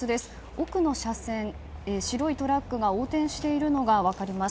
奥の車線、白いトラックが横転しているのが分かります。